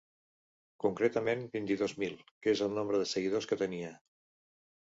Concretament vint-i-dos mil, que és el nombre de seguidors que tenia.